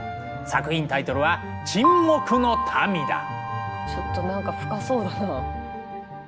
作品タイトルはちょっと何か深そうだな。